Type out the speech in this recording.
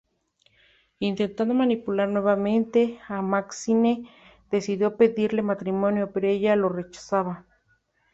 Intentando manipular nuevamente a Maxine decide pedirle matrimonio pero ella lo rechaza.